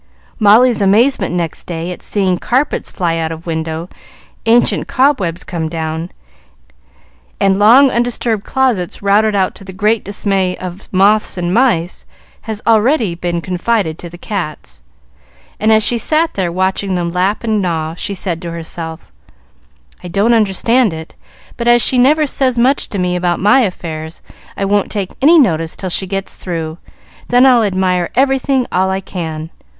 Molly's amazement next day at seeing carpets fly out of window, ancient cobwebs come down, and long undisturbed closets routed out to the great dismay of moths and mice, has been already confided to the cats, and as she sat there watching them lap and gnaw, she said to herself, "I don't understand it, but as she never says much to me about my affairs, I won't take any notice till she gets through, then I'll admire everything all I can.